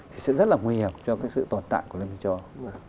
thì sẽ rất là nguy hiểm cho cái sự toàn tạng của liên minh châu âu